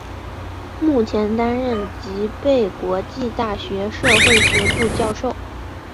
目前担任吉备国际大学社会学部教授。